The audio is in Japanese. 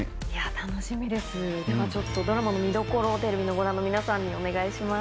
楽しみですではドラマの見どころをテレビをご覧の皆さんにお願いします。